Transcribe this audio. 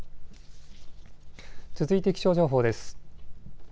続いて気象情報です。